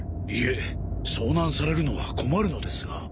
いえ遭難されるのは困るのですが。